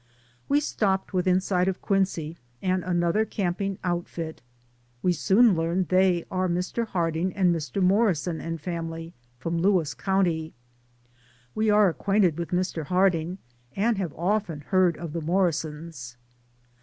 We stopped within sight of Quincy, and another camping outfit. We soon learned they are Mr. Harding and Mr. Morrison and family, from Lewis County. We are ac quainted with Mr. Harding and have often heard of the Morrisons.